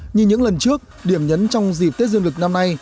như những lần trước điểm nhấn trong dịp tết dương lịch năm nay